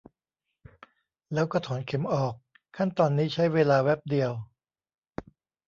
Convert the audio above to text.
แล้วก็ถอนเข็มออก ขั้นตอนนี้ใช้เวลาแวบเดียว